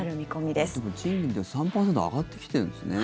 でも、賃金って３％上がってきてるんですね。